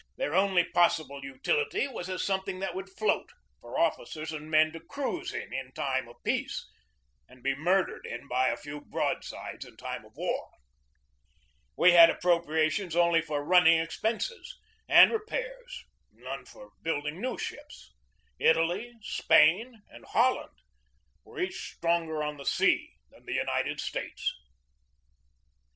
Their only possible utility was as something that would float for officers and men to cruise in in time of peace and be murdered in by a few broadsides in time of war. We had appropriations only for running expenses and re pairs, none for building new ships. Italy, Spain, and Holland were each stronger on the sea than the United States.